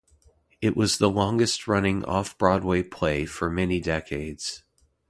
It was the longest running off-Broadway play for many decades.